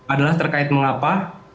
adalah terkait mengapa